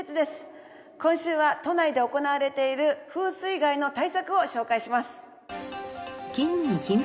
今週は都内で行われている風水害の対策を紹介します。